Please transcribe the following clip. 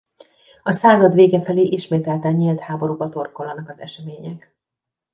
A század vége felé ismételten nyílt háborúba torkollanak az események.